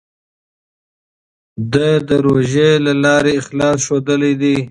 ده د روژې له لارې اخلاص ښودلی دی.